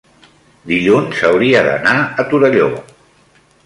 dilluns hauria d'anar a Torelló.